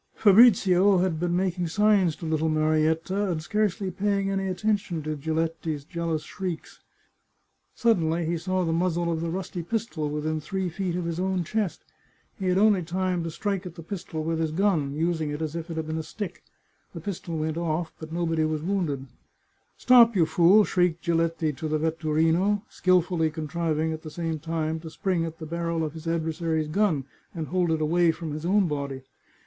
Fabrizio had been making signs to little Marietta, and scarcely paying any attention to Giletti's jealous shrieks. Suddenly he saw the muzzle of the rusty pistol within three feet of his own chest. He had only time to strike at the pistol with his gun, using it as if it had been a stick; the pistol went off, but nobody was wounded. The Chartreuse of Parma " Stop, you fool !" shrieked Giletti to the vetturino, skil fully contriving at the same time to spring at the barrel of his adversary's gun and hold it away from his own body.